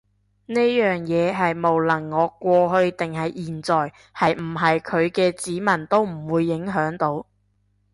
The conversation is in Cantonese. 呢樣嘢係無論我過去定係現在係唔係佢嘅子民都唔會影響到